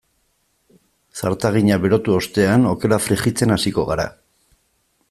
Zartagina berotu ostean okela frijitzen hasiko gara.